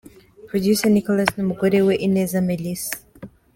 Producer Nicolas n’umugore we Ineza Melisa.